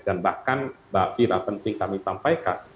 dan bahkan pak fira penting kami sampaikan